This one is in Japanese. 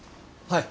はい。